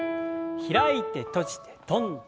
開いて閉じて跳んで。